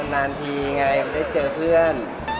นานทีไงมันได้เจอเพื่อน